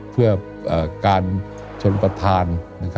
เพื่อการชนประธาน